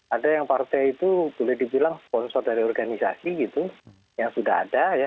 ada yang partai itu boleh dibilang sponsor dari organisasi gitu yang sudah ada ya